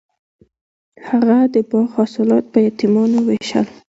هغه د باغ حاصلات په یتیمانو ویشل.